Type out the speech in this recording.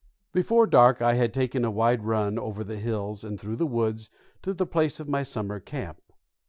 Before dark I had taken a wide run over the hills and through the woods to the place of my summer camp.